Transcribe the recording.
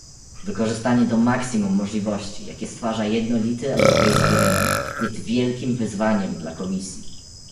Wykorzystanie do maksimum możliwości, jakie stwarza jednolity europejski rynek jest wielkim wyzwaniem dla Komisji